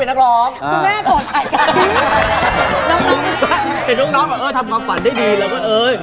เห็นน้องน้องว่าทำความฝันได้ดีแล้วก็เอ้ย